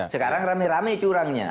sekarang rame rame curangnya